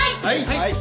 はい！